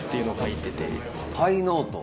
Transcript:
スパイノート？